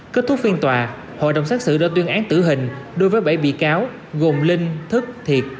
kết thúc phiên tòa hội đồng xét xử đã tuyên án tử hình đối với bảy bị cáo gồm linh thức thiệt